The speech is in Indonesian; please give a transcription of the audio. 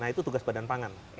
nah itu tugas badan pangan